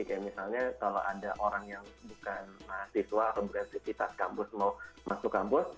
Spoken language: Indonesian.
kayak misalnya kalau ada orang yang bukan mahasiswa atau beraktivitas kampus mau masuk kampus